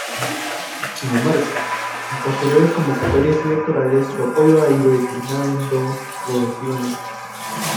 Sin embargo, en posteriores convocatorias electorales su apoyo ha ido declinando progresivamente.